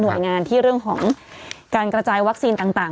โดยงานที่เรื่องของการกระจายวัคซีนต่าง